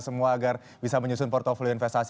semua agar bisa menyusun portfolio investasi